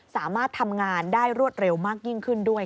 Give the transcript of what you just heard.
สามารถทำงานได้รวดเร็วมากยิ่งขึ้นด้วย